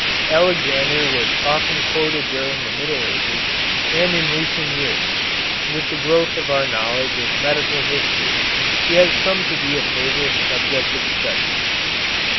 Alexander was often quoted during the Middle Ages, and in recent years, with the growth of our knowledge of medical history, he has come to be a favorite subject of study.